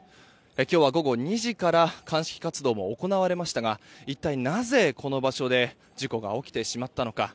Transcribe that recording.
今日は午後２時から鑑識活動も行われましたが一体なぜこの場所で事故が起きてしまったのか。